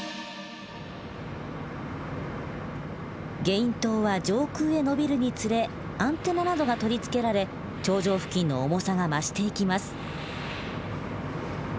ゲイン塔は上空へ延びるにつれアンテナなどが取り付けられ頂上付近の重さが増していきます。